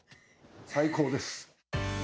最高です！